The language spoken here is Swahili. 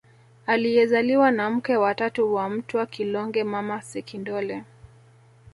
Aliyezaliwa na mke wa tatu wa Mtwa Kilonge Mama Sekindole